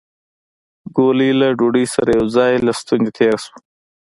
ګولۍ له ډوډۍ سره يو ځای له ستونې تېره شوه.